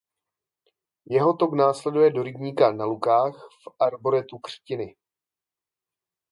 Jeho tok následuje do rybníka "Na Lukách" v Arboretu Křtiny.